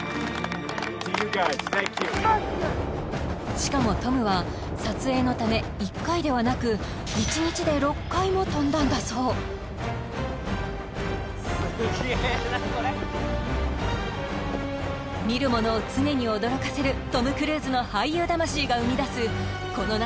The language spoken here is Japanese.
しかもトムは撮影のため１回ではなく見る者を常に驚かせるトム・クルーズの俳優魂が生み出すこの夏